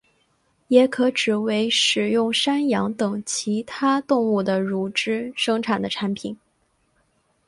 也可指为使用山羊等其他动物的乳汁生产的产品。